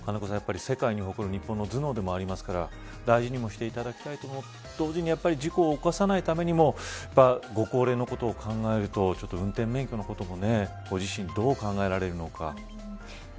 世界に誇る日本の頭脳でもありますから大事にしていただきたいと思うと同時に事故を起こさないためにもご高齢のことを考えると運転免許のことをご自身、どう考えられるのか。